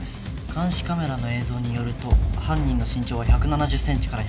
監視カメラの映像によると犯人の身長は１７０ｃｍから１７５ｃｍ。